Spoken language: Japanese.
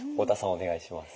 お願いします。